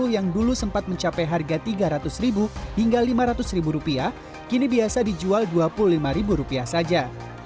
yang dulu sempat mencapai harga tiga ratus ribu hingga lima ratus ribu rupiah kini biasa dijual dua puluh lima rupiah saja